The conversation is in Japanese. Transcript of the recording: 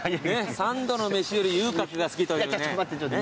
三度の飯より遊郭が好きというね。